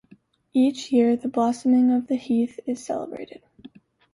Each year, the blossoming of the heath is celebrated.